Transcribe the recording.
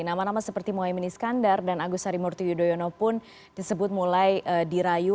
nama nama seperti mohi miniskandar dan agus sarimurti yudhoyono pun disebut mulai dirayu